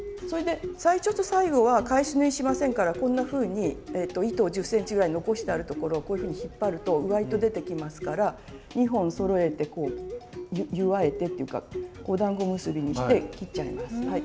それで最初と最後は返し縫いしませんからこんなふうに糸を１０ｃｍぐらい残してあるところをこういうふうに引っ張ると上糸出てきますから２本そろえて結わえてっていうかおだんご結びにして切っちゃいます。